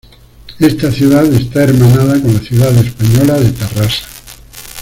Esta ciudad está hermanada con la ciudad española de Tarrasa.